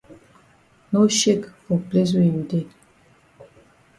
No shake for place wey you dey.